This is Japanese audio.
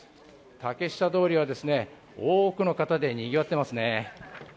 竹下通りは多くの方でにぎわっていますね。